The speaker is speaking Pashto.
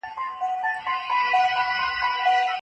خاوند او ميرمني ته کوم حقوق ثابتيږي؟